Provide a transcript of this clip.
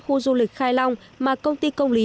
khu du lịch khai long mà công ty công lý